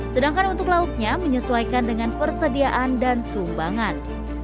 sedangkan untuk lauknya menyesuaikan dengan persediaan dan sumbangan